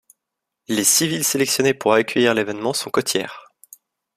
Les six villes sélectionnées pour accueillir l'évènement sont côtières.